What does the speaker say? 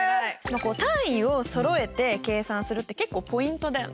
単位をそろえて計算するって結構ポイントだよね。